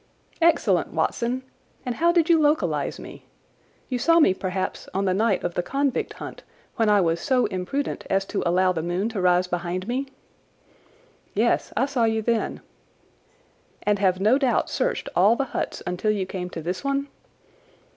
"Excellent, Watson! And how did you localise me? You saw me, perhaps, on the night of the convict hunt, when I was so imprudent as to allow the moon to rise behind me?" "Yes, I saw you then." "And have no doubt searched all the huts until you came to this one?"